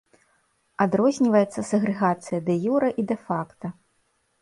Адрозніваецца сегрэгацыя дэ-юрэ і дэ-факта.